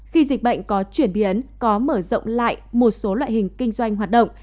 khi dịch bệnh có chuyển biến có mở rộng lại một số loại hình kinh doanh hoạt động